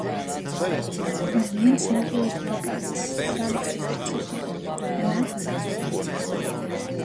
Neviens nekļūst bagāts, strādājot pie citiem, vai ne?